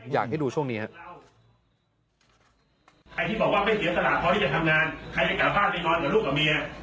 ใครจะกลับบ้านไปนอนกับลูกกับเมีย